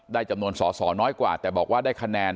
จำนวนสอสอน้อยกว่าแต่บอกว่าได้คะแนน